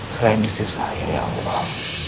selain istri saya ya allah